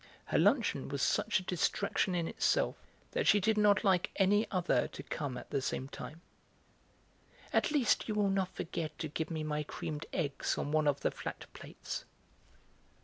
Her luncheon was such a distraction in itself that she did not like any other to come at the same time. "At least, you will not forget to give me my creamed eggs on one of the flat plates?"